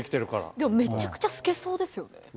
でもめちゃくちゃ透けそうですよね。